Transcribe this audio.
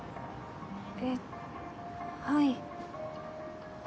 えっはい。